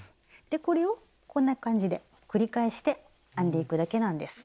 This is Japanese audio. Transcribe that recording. これをこんな感じで繰り返して編んでいくだけなんです。